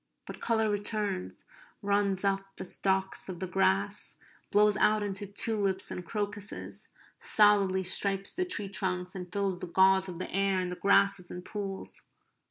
But colour returns; runs up the stalks of the grass; blows out into tulips and crocuses; solidly stripes the tree trunks; and fills the gauze of the air and the grasses and pools.